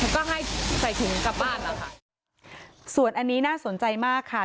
ก็ให้ใส่ถุงกลับบ้านนะคะส่วนอันนี้น่าสนใจมากค่ะ